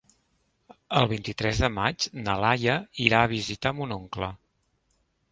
El vint-i-tres de maig na Laia irà a visitar mon oncle.